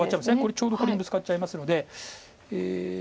ちょうどこれにブツカっちゃいますので。